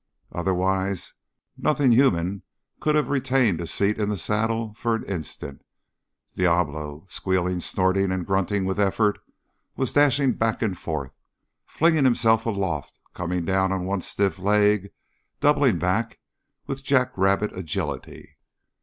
Otherwise, nothing human could have retained a seat in the saddle for an instant. Diablo, squealing, snorting, and grunting with effort, was dashing back and forth, flinging himself aloft, coming down on one stiff leg, doubling back with jackrabbit agility.